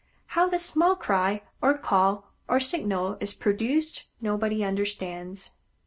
How this small cry, or call, or signal, is produced nobody understands.